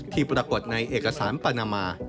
ที่ปรากฏในเอกสารปานามา